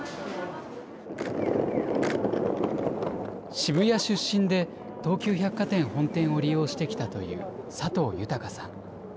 渋谷出身で、東急百貨店本店を利用してきたという佐藤豊さん。